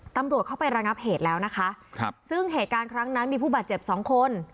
ตำรวจเข้าไประงับเหตุแล้วนะคะครับซึ่งเหตุการณ์ครั้งนั้นมีผู้บาดเจ็บสองคน